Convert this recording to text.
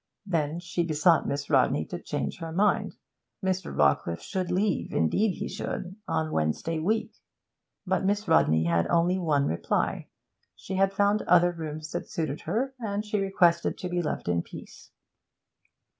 Then she besought Miss Rodney to change her mind. Mr. Rawcliffe should leave, indeed he should, on Wednesday week. But Miss Rodney had only one reply; she had found other rooms that suited her, and she requested to be left in peace.